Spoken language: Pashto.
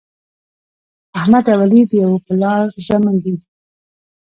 احمد او علي د یوه پلار زامن دي.